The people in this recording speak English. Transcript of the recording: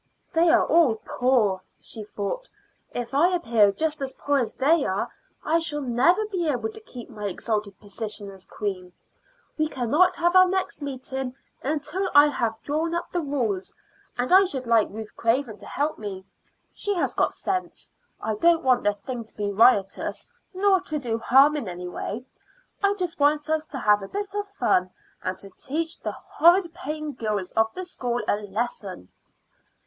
"They are all poor," she thought. "If I appear just as poor as they are, I shall never be able to keep my exalted position as queen. We cannot have our next meeting until I have drawn up the rules, and I should like Ruth Craven to help me. She has got sense. I don't want the thing to be riotous, nor to do harm in any way. I just want us to have a bit of fun, and to teach the horrid paying girls of the school a lesson."